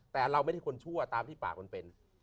แต่เราไม่ได้คนชั่วตามที่ปากมันเป็น